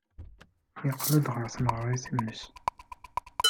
Yeqqel ɣer tneɣrit-nnes.